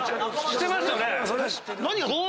知ってますよね